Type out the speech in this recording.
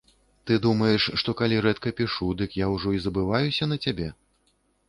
Ты думаеш, што калі рэдка пішу, дык я ўжо і забываюся на цябе?